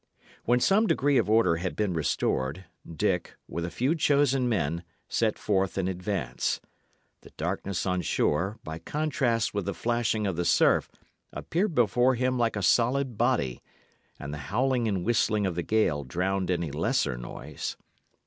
When some degree of order had been restored, Dick, with a few chosen men, set forth in advance. The darkness on shore, by contrast with the flashing of the surf, appeared before him like a solid body; and the howling and whistling of the gale drowned any lesser noise.